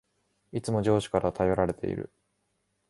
いつも上司から頼られている